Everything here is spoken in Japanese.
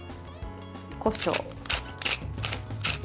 こしょう。